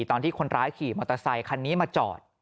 ตอนที่คนร้ายขี่มอเตอร์ไซคันนี้มาจอด